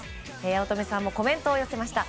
八乙女さんもコメントを寄せました。